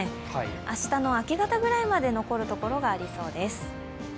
明日の明け方ぐらいまで残るところがありそうです。